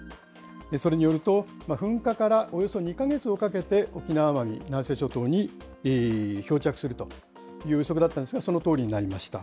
それによると、噴火からおよそ２か月をかけて沖縄湾に、南西諸島に漂着するという予測だったんですが、そのとおりになりました。